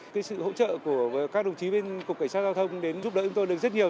cái sự hỗ trợ của các đồng chí bên cục cảnh sát giao thông đến giúp đỡ chúng tôi được rất nhiều